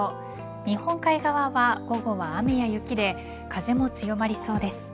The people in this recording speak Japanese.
日本海側は午後は雨や雪で風も強まりそうです。